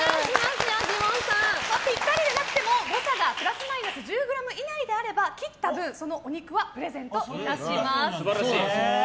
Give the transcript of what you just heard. ピッタリじゃなくても誤差がプラスマイナス１０ｇ以内であれば切った分そのお肉はプレゼントいたします。